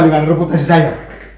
dengan reputasi saya